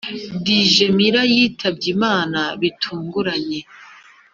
Dije milla yitabye imana bitunguranye